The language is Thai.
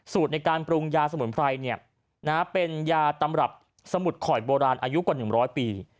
ในการปรุงยาสมุนไพรเป็นยาตำรับสมุดข่อยโบราณอายุกว่า๑๐๐ปี